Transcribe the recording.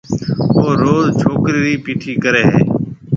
او روز ڇوڪرَي ري پيِٺي ڪرَي ھيََََ